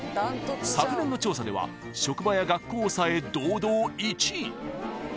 ［昨年の調査では職場や学校をおさえ堂々１位］